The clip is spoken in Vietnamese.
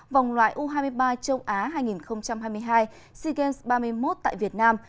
vòng loại u hai mươi ba châu á hai nghìn hai mươi hai sea games ba mươi một tại việt nam